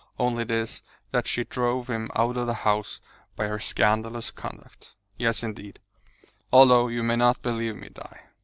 "Only this, that she drove him out of the house by her scandalous conduct. Yes, indeed; although you may not believe me, Di.